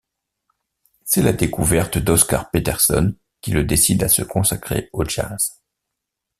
C'est la découverte d'Oscar Peterson qui le décide à se consacrer au jazz.